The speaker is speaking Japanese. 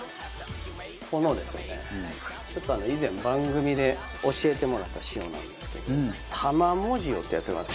このですねちょっと以前番組で教えてもらった塩なんですけど玉藻塩ってやつがあって。